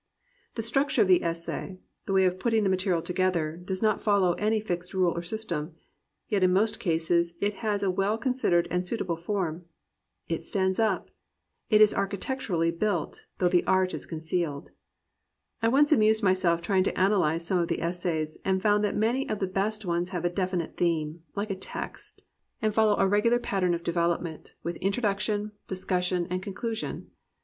The structure of the essay, the way of putting the material together, does not follow any fixed rule or system. Yet in most cases it has a well considered and suitable form; it stands up; it is architecturally built, though the art is concealed. I once amused myseK trying to analyze some of the essays, and found that many of the best ones have a definite theme, like a text, and follow a regular plan of de 351 COMPANIONABLE BOOKS velopment, with introduction, discussion, and con clusion.